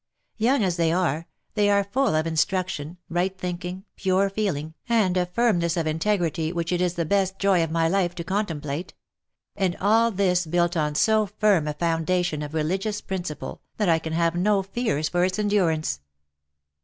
Young as they are, they are full of instruction, right thinking, pure feeling, and a firmness of integrity which it is the best joy of my life to contem plate — and all this built on so firm a foundation of religious principle, that I can have no fears for its endurance.